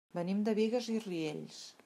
Venim de Bigues i Riells.